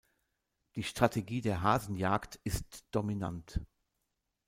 Die Strategie der Hasenjagd ist dominant.